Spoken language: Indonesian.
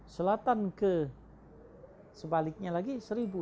selatan ke sebaliknya lagi seribu